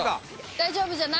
大丈夫じゃない！